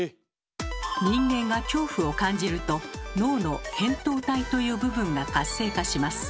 人間が恐怖を感じると脳の「扁桃体」という部分が活性化します。